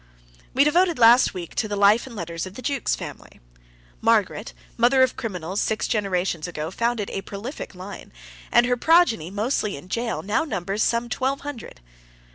We devoted last week to the life and letters of the Jukes family. Margaret, the mother of criminals, six generations ago, founded a prolific line, and her progeny, mostly in jail, now numbers some twelve hundred.